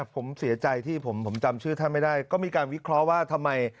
ผมเสียใจที่ผมจำชื่อท่านไม่ได้ก็มีการวิเคราะห์ว่าทำไม